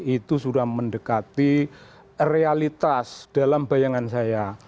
itu sudah mendekati realitas dalam bayangan saya